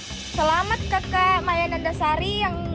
selamat keke mayananda sari